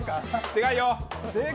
でかいよ！